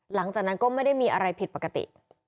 หลังจากนั้นก็ไม่ได้มีอะไรผิดปกติ